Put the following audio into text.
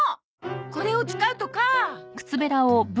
これを使うとか。